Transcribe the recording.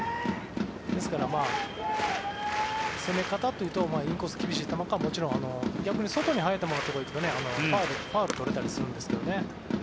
ですから、攻め方というとインコースの厳しい球かもちろん逆に外に速い球を行くと前で、ファウルを取れたりするんですけどね。